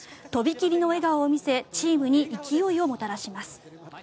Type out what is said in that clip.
飛び切りの笑顔を見せチームに勢いをもたらします。